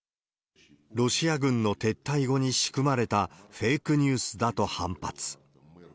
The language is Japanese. ロシア軍の撤退後に仕組まれたフェイクニュースだと反発。